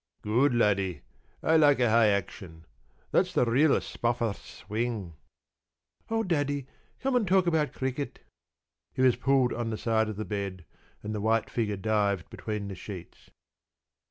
p> "Good, Laddie. I like a high action. That's the real Spofforth swing." "Oh, Daddy, come and talk about cricket!" He was pulled on the side of the bed, and the white figure dived between the sheets.